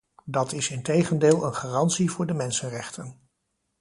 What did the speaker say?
Dat is integendeel een garantie voor de mensenrechten.